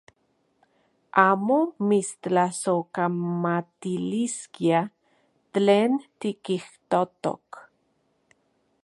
Amo mitstlasojkamatiliskia tlen tikijtojtok.